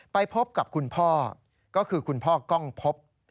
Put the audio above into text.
ไปพบกับคุณพ่อก็คือคุณพ่อกล้องพบ